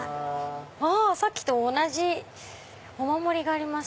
さっきと同じお守りがあります。